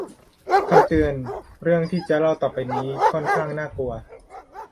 คำเตือน : เรื่องที่จะเล่าต่อไปนี้ค่อนข้างน่ากลัว